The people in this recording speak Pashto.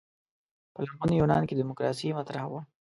په لرغوني یونان کې دیموکراسي مطرح وه.